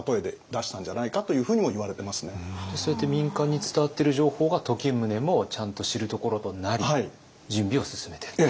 そうやって民間に伝わってる情報が時宗もちゃんと知るところとなり準備を進めていった。